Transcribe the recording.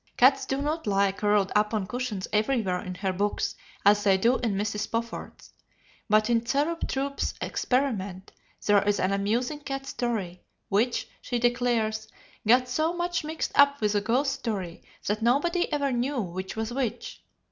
Cats do not lie curled up on cushions everywhere in her books, as they do in Mrs. Spofford's. But in "Zerub Throop's Experiment" there is an amusing cat story, which, she declares, got so much mixed up with a ghost story that nobody ever knew which was which.